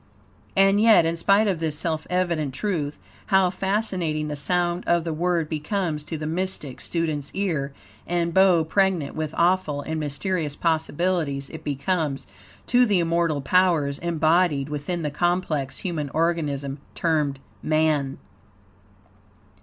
And yet, in spite of this self evident truth, how fascinating the sound of the word becomes to the mystic student's ear, and bow pregnant with awful and mysterious possibilities it becomes, to the immortal powers embodied within the complex human organism termed man.